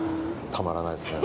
たまらないですね。